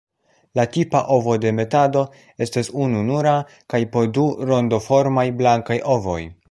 La tipa ovodemetado estas ununura kaj po du rondoformaj blankaj ovoj.